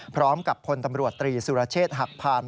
พร้อมกับพลตำรวจตรีสุรเชษฐ์หักพาน